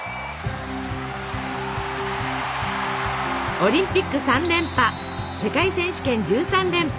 オリンピック３連覇世界選手権１３連覇。